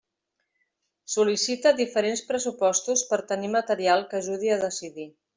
Sol·licita diferents pressupostos per tenir material que ajudi a decidir.